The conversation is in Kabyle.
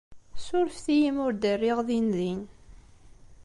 Ssurfet-iyi imi ur d-rriɣ dindin.